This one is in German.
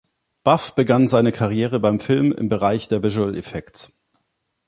Buff begann seine Karriere beim Film im Bereich der Visual Effects.